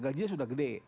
gajinya sudah gede